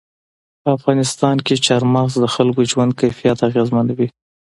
په افغانستان کې چار مغز د خلکو ژوند کیفیت اغېزمنوي.